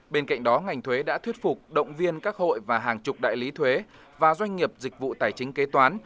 bên cạnh đó ngành thuế đã thuyết phục động viên các hội và hàng chục đại lý thuế và doanh nghiệp dịch vụ tài chính kế toán